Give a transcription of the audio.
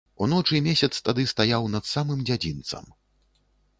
Уночы месяц тады стаяў над самым дзядзінцам.